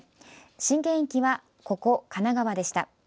震源域は、ここ神奈川県でした。